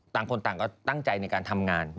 ต่างคนต่างก็ตั้งใจในการทำงาน